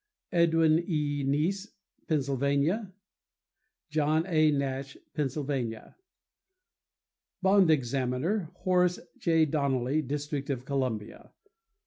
Edwin A. Niess, Pennsylvania. John A. Nash, Pennsylvania. Bond Examiner.—Horace J. Donnelly, District of Columbia.